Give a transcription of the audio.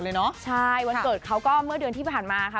ใช่วันเกิดเขาก็เมื่อเดือนที่ผ่านมาค่ะ